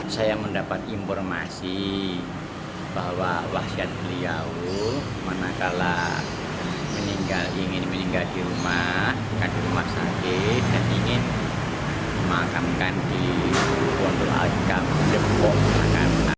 saya mendapat informasi bahwa wasiat beliau mana kala ingin meninggal di rumah sakit dan ingin dimakamkan di kompleks pemakaman pondok pesantren al hikam di depok